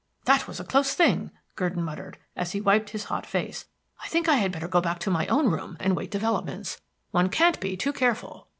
"That was a close thing," Gurdon muttered, as he wiped his hot face. "I think I had better go back to my own room, and wait developments. One can't be too careful."